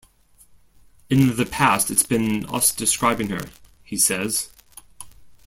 "In the past, it's been us describing her," he says.